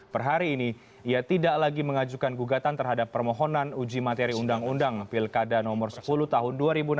perhari ini ia tidak lagi mengajukan gugatan terhadap permohonan uji materi undang undang pilkada no sepuluh tahun dua ribu enam belas